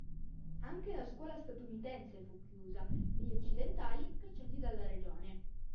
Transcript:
Anche la scuola statunitense fu chiusa e gli occidentali cacciati dalla regione.